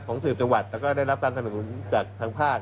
สืบจังหวัดแล้วก็ได้รับการสนับสนุนจากทางภาค